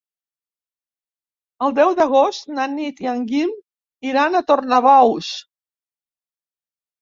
El deu d'agost na Nit i en Guim iran a Tornabous.